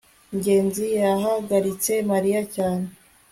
ngenzi yahagaritse mariya cyane